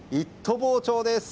包丁です。